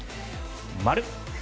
丸！